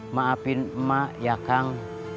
maafin emak ya kang